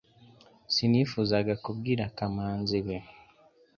Sinifuzaga kubwira kamanzi ibi